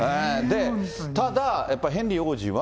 ただ、やっぱヘンリー王子は。